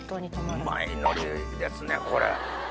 うまい海苔ですねこれ。